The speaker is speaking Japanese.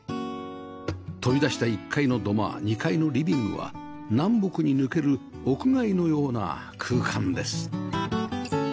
飛び出した１階の土間２階のリビングは南北に抜ける屋外のような空間です